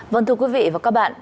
vâng thưa quý vị và các bạn